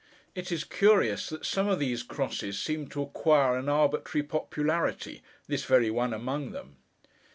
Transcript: It is curious that some of these crosses seem to acquire an arbitrary popularity: this very one among them.